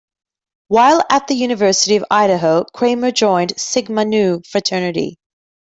While at the University of Idaho, Kramer joined Sigma Nu fraternity.